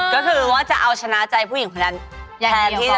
ก็คือว่าจะเอาชนะใจผู้หญิงคนนั้น